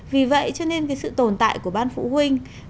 vì vậy cho nên sự tồn tại của ban phụ huynh